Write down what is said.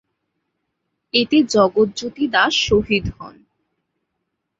এতে জগৎজ্যোতি দাস শহীদ হন।